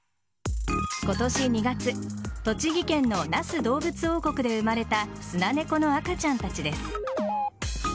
今年２月栃木県の那須どうぶつ王国で生まれたスナネコの赤ちゃんたちです。